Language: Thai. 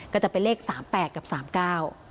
ก็จะเป็นเลข๓๘กับ๓๙นะคะ